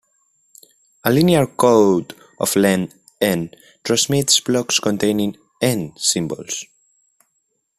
A linear code of length "n" transmits blocks containing "n" symbols.